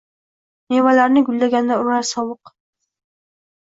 Mevalarni gullaganda urar sovuq